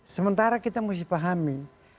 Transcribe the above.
sementara kita mesti pahami